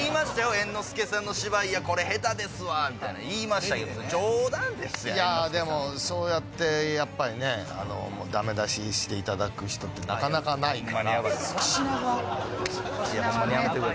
猿之助さんの芝居みたいな言いましたけどいやでもそうやってやっぱりねダメ出ししていただく人ってなかなかないから粗品が？